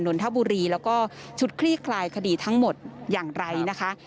นทบุรีแล้วก็ชุดคลี่คลายคดีทั้งหมดอย่างไรนะคะ